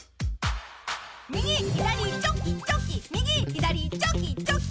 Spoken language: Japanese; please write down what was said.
右左チョキチョキ右左チョキチョキ。